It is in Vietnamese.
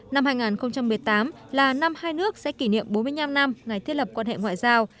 năm hai nghìn một mươi tám là năm hai nước sẽ kỷ niệm bốn mươi năm năm ngày thiết lập quan hệ ngoại giao